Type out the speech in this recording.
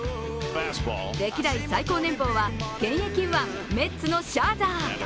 歴代最高年俸は現役右腕メッツのシャーザー。